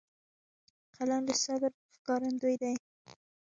قلم د صبر ښکارندوی دی